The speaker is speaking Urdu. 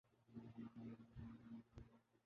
پھر کہہ دیا کہ تمھارے دل میں بستا ہے ۔